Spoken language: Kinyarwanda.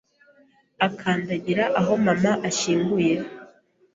Akandangira aho mama ashyinguye